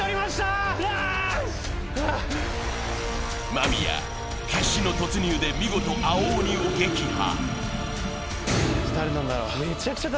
間宮、決死の突入で見事青鬼を撃破。